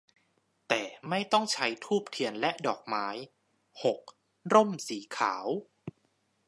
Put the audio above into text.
แต่ไม่ต้องใช้ธูปเทียนและดอกไม้ หก ร่มสีขาว